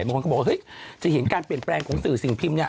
บางคนก็บอกว่าเฮ้ยจะเห็นการเปลี่ยนแปลงของสื่อสิ่งพิมพ์เนี่ย